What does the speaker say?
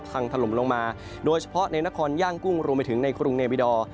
แล้วทางทลมลงมาโดยเฉพาะในนะครรภ์ย่างกุ้งรวมไปถึงในกรุงเนเวดอร์